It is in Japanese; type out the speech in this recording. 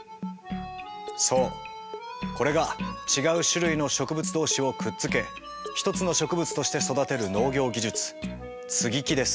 そうこれが違う種類の植物同士をくっつけ一つの植物として育てる農業技術接ぎ木です。